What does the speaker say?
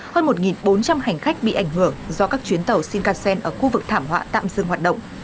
hơn một bốn trăm linh hành khách bị ảnh hưởng do các chuyến tàu shinkansen ở khu vực thảm họa tạm dừng hoạt động